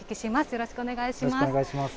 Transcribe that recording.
よろしくお願いします。